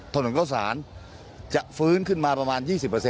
ถนนเข้าสารจะฟื้นขึ้นมาประมาณ๒๐